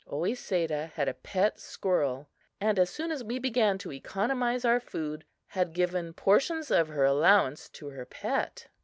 Oesedah had a pet squirrel, and as soon as we began to economize our food had given portions of her allowance to her pet.